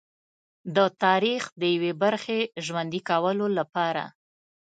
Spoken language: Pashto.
د تاریخ د یوې برخې ژوندي کولو لپاره.